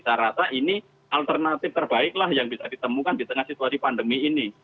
saya rasa ini alternatif terbaiklah yang bisa ditemukan di tengah situasi pandemi ini